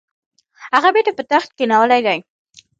هغه بیرته پر تخت کښېنولی دی.